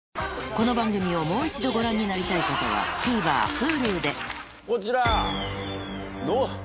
この番組をもう一度ご覧になりたい方はＴＶｅｒＨｕｌｕでこちら。